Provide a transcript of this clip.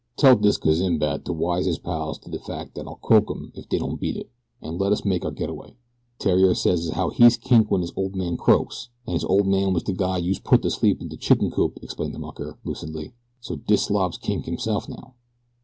"Tell dis gazimbat to wise his pals to de fact dat I'll croak 'im, if dey don't beat it, an' let us make our get away. Theriere says as how he's kink when his ole man croaks, an' his ole man was de guy youse put to sleep in de chicken coop," explained the mucker lucidly; "so dis slob's kink hisself now."